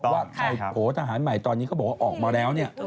ว่าใครโผล่ทหารใหม่ตอนนี้เขาบอกว่าออกมาแล้วเนี่ย